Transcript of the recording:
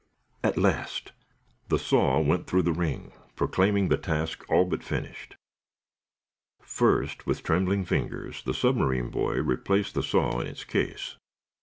At last! The saw went through the ring, proclaiming the task all but finished. First, with trembling fingers, the submarine boy replaced the saw in its case.